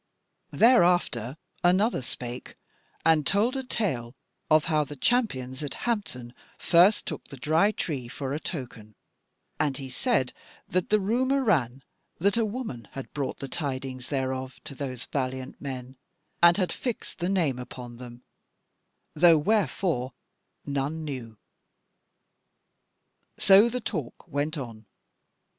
Thereafter another spake, and told a tale of how the champions at Hampton first took the Dry Tree for a token; and he said that the rumour ran, that a woman had brought the tidings thereof to those valiant men, and had fixed the name upon them, though wherefore none knew. So the talk went on.